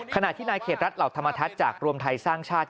ขณะที่นายเขตรัฐเหล่าธรรมทัศน์จากรวมไทยสร้างชาติ